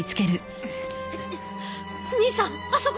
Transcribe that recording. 兄さんあそこ！